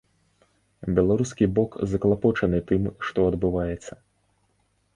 Беларускі бок заклапочаны тым, што адбываецца.